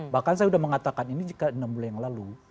bahkan saya sudah mengatakan ini jika enam bulan yang lalu